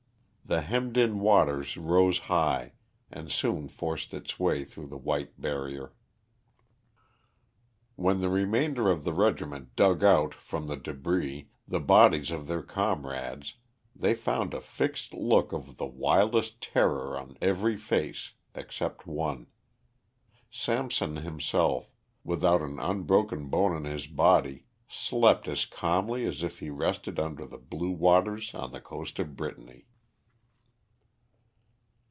The hemmed in waters rose high and soon forced its way through the white barrier. When the remainder of the regiment dug out from the débris the bodies of their comrades they found a fixed look of the wildest terror on every face except one. Samson himself, without an unbroken bone in his body, slept as calmly as if he rested under the blue waters on the coast of Brittany.